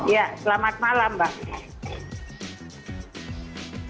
ya selamat malam mbak